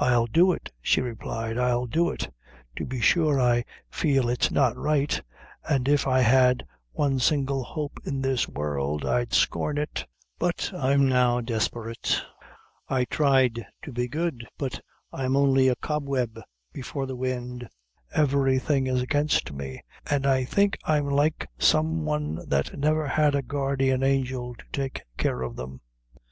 "I'll do it," she replied, "I'll do it; to be sure I feel it's not right, an' if I had one single hope in this world, I'd scorn it; but I'm now desperate; I tried to be good, but I'm only a cobweb before the wind everything is against me, an' I think I'm like some one that never had a guardian angel to take care of them."